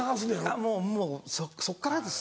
あぁもうそっからです